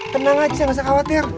tenang aja nggak usah khawatir